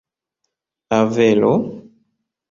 Avelo?